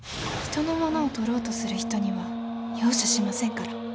人のものをとろうとする人には容赦しませんから。